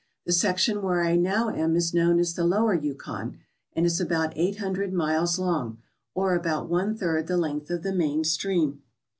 The section where I now am is known as the Lower Yukon and is about eight hundred miles long, or about one third the length of the main stream.